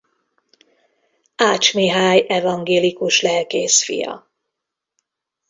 Ács Mihály evangélikus lelkész fia.